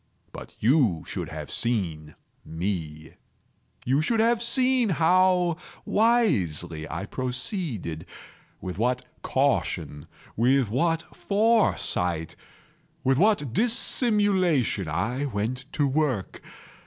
But you should have seen me. You should have seen how wisely I proceeded—with what caution—with what foresight—with what dissimulation I went to work!